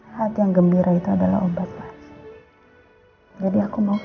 hati yang gembira itu adalah obat jadi aku mau